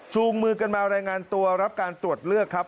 มือกันมารายงานตัวรับการตรวจเลือกครับ